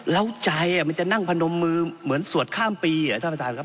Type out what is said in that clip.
แล้วใจมันจะนั่งพนมมือเหมือนสวดข้ามปีท่านประธานครับ